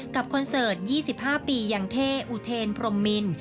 คอนเสิร์ต๒๕ปีอย่างเท่อุเทนพรมมิน